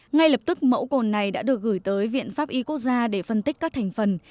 ngay lập tức mẫu cồn này đã được gửi tới viện pháp y quốc gia để phân tích các thành phần